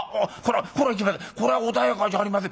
これはこれは穏やかじゃありません。